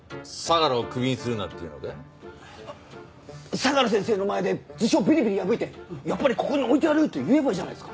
相良先生の前で辞表ビリビリ破いてやっぱりここに置いてやるって言えばいいじゃないですか。